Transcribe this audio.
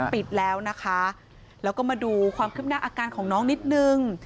ปิดแล้วนะคะแล้วก็มาดูความคืบหน้าอาการของน้องนิดนึง